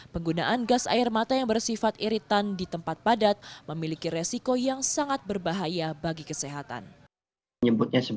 penggunaan gas air mata yang bersifat iritan di tempat padat memiliki resiko yang sangat berbahaya bagi kesehatan